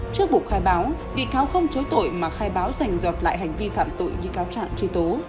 trước bục khai báo bị cáo không chối tội mà khai báo giành giọt lại hành vi phạm tội như cáo trạng truy tố